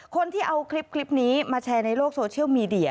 คนที่เอาคลิปนี้มาแชร์ในโลกโซเชียลมีเดีย